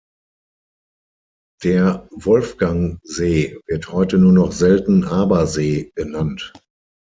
Der Wolfgangsee wird heute nur noch selten „Abersee“ genannt.